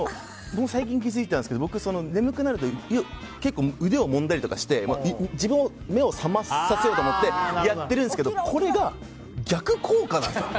僕も最近気づいたんですけど眠くなると結構、腕をもんだりして自分の目を覚まさせようと思ってやってるんですけどこれが逆効果なんですよ。